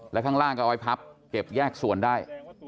แล้วข้างล่างก็เอาไว้พับเก็บแยกส่วนได้